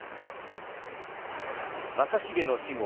正成の死後